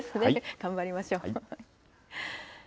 頑張りましょう。